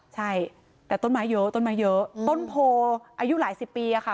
ใช่แต่ต้นไม้เยอะต้นไม้เยอะต้นโพอายุหลายสิบปีอะค่ะ